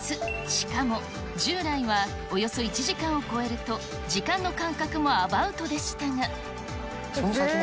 しかも従来はおよそ１時間を超えると時間の間隔もアバウトでしたその先まで？